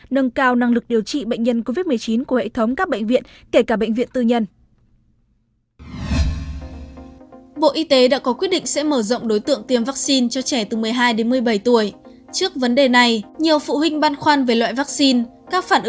nâng cao năng lực điều trị bệnh nhân covid một mươi chín của hệ thống các bệnh viện kể cả bệnh viện tư nhân